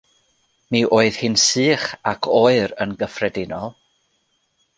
Mi oedd hi'n sych ac oer yn gyffredinol.